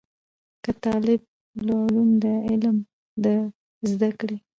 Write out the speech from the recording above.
که طالب العلم د علم د زده کړې